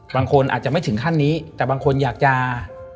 บางคนอาจจะไม่ถึงขั้นนี้แต่บางคนอยากจะ